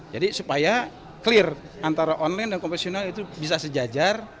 jadi supaya clear antara online dan konvensional itu bisa sejajar